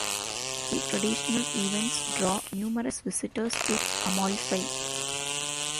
Three traditional events draw numerous visitors to Amalfi.